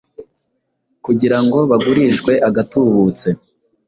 kugira ngo bagurishwe agatubutse